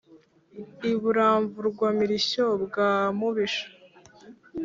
i buramvurwa mirishyo bwa mubisha